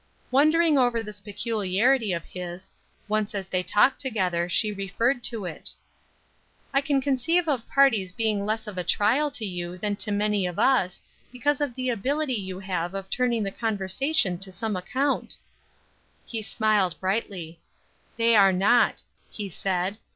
Wondering over this peculiarity of his, once as they talked together she referred to it. "I can conceive of parties being less of a trial to you than to many of us, because of the ability you have of turning the conversation to some account." He smiled brightly. "They are not," he said.